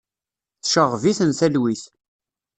Tceɣɣeb-iten talwit.